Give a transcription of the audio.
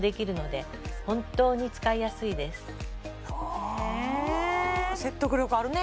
あ説得力あるね